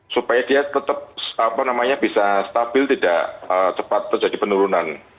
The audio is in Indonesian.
supaya dia tetap bisa stabil tidak cepat terjadi penurunan